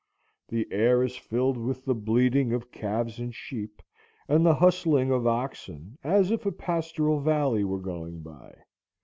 The air is filled with the bleating of calves and sheep, and the hustling of oxen, as if a pastoral valley were going by.